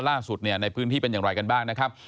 ล่าสุดเนี่ยในพื้นที่เป็นอย่างไรกันบ้างนะครับ